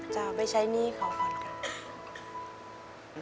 จะไปใช้หนี้เขาก่อนครับ